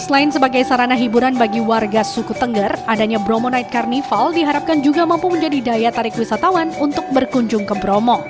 selain sebagai sarana hiburan bagi warga suku tengger adanya bromo night carnival diharapkan juga mampu menjadi daya tarik wisatawan untuk berkunjung ke bromo